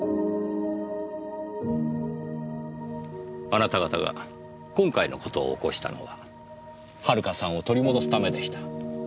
あなた方が今回の事を起こしたのは遥さんを取り戻すためでした。